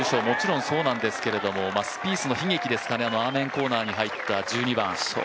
もちろんそうなんですけどスピースの悲劇、あのアーメンコーナーに入った１２番。